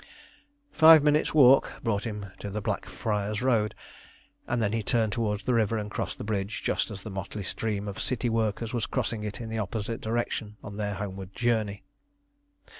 Five minutes' walk brought him to the Blackfriars Road, and then he turned towards the river and crossed the bridge just as the motley stream of city workers was crossing it in the opposite direction on their homeward journey.